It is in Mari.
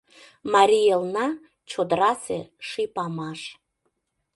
Марий Элна — чодырасе ший памаш.